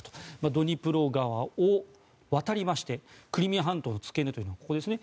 ドニプロ川を渡りましてクリミア半島の付け根というのはここですね。